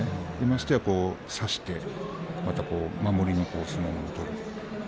ましてや、差してまた守りの相撲を取る。